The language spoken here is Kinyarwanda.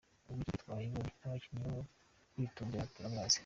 Ubu ikipe twayibonye n’abakinnyi bo kwitondera turabazi.